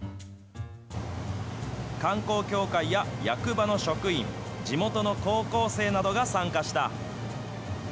観光協会や役場の職員、地元の高校生などが参加した。